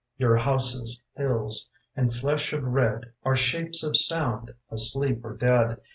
Your houses, hills, and flesh of red Are shapes of sound, asleep or dead.